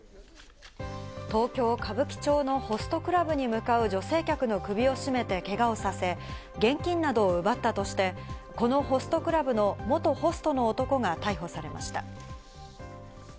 東京・歌舞伎町のホストクラブに向かう女性客の首を絞めてけがをさせ、現金などを奪ったとして、このホストクラブの元ホストの男が逮捕されました。